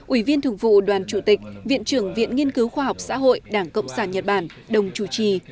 ủy viên thường vụ đoàn chủ tịch viện trưởng viện nghiên cứu khoa học xã hội đảng cộng sản nhật bản đồng chủ trì